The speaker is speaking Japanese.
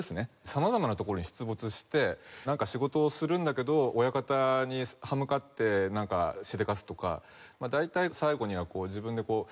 様々なところに出没してなんか仕事をするんだけど親方に刃向かってなんかしでかすとか大体最後には自分でうんこをかますみたいな。